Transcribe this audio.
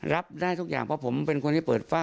รับได้ทุกอย่างเพราะผมเป็นคนที่เปิดฝ้า